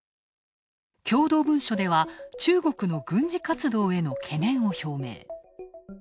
共同文書では中国の軍事活動への懸念を表明。